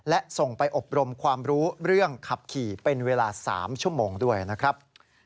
และส่งไปอบรมความรู้เรื่องขับขี่เป็นเวลา๓ชั่วโมงด้วยนะครับ